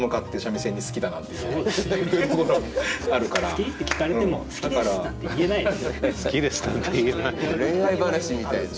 「好き？」って聞かれても「好きです」なんて言えないです。